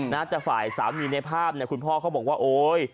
นะแต่ฝ่ายสามีในภาพเนี่ยคุณพ่อเขาบอกว่าโอ๊ย